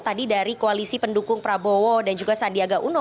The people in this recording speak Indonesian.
tadi dari koalisi pendukung prabowo dan juga sandiaga uno